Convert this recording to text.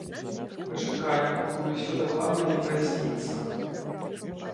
Пачакаю, пакуль усё дакладна не праясніцца.